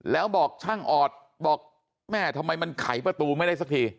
แล้วบอกช่างออดบอกแม่ทำไมมันไขประตูไม่ได้สักที